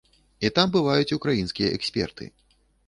І там бываюць украінскія эксперты.